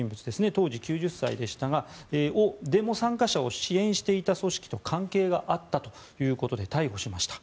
当時、９０歳をデモ参加者を支援していた組織と関係があったとして逮捕しました。